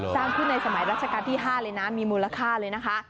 สร้างขึ้นในสมัยรัชกาลที่๕เลยนะมีมูลค่าเลยนะคะ